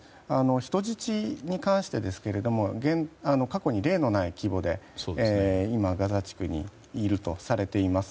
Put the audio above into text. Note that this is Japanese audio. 人質に関してですが過去に例のない規模で今、ガザ地区にいるとされています。